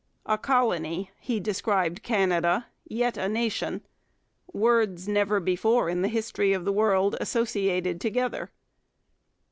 'A colony,' he described Canada, 'yet a nation words never before in the history of the world associated together.'